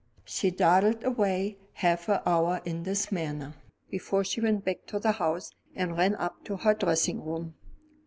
She dawdled away half a hour in this manner, before she went back to the house, and ran up to her dressing room.